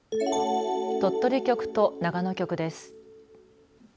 鳥取局と長野局です。